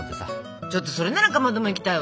ちょっとそれならかまども行きたいわ！